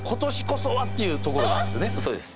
そうです。